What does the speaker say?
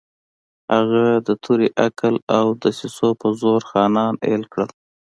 هغه د تورې، عقل او دسیسو په زور خانان اېل کړل.